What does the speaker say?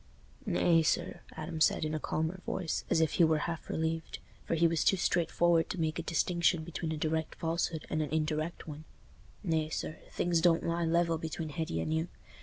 "Nay, sir," Adam said, in a calmer voice, as if he were half relieved—for he was too straightforward to make a distinction between a direct falsehood and an indirect one—"Nay, sir, things don't lie level between Hetty and you.